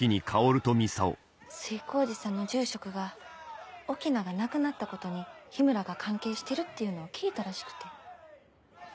推興寺さんの住職が翁が亡くなったことに緋村が関係してるっていうのを聞いたらしくて。